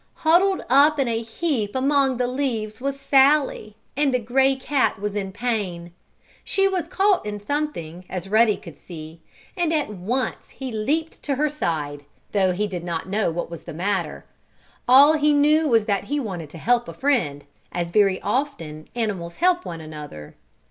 Huddled up in a heap among the leaves was Sallie, and the gray cat was in pain. She was caught in something, as Ruddy could see, and at once he leaped to her side, though he did not know what was the matter. All he knew was that he wanted to help a friend, as, very often, animals help one another.